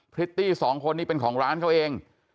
พฤติสองคนนี่เป็นของร้านเขาเอง